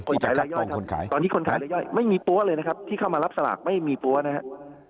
จ่ายรายย่อยครับตอนนี้คนขายรายย่อยไม่มีปั้วเลยนะครับที่เข้ามารับสลากไม่มีปั้วนะครับ